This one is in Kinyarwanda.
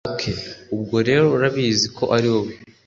ok ubwo rero urabizi ko ariwowe